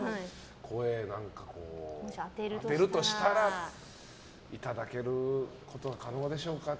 声なんか当てるとしたらいただけることは可能でしょうか。